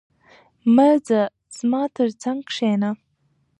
مه ځه، زما تر څنګ کښېنه.